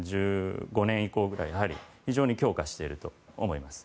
２０１５年以降は特に非常に強化していると思います。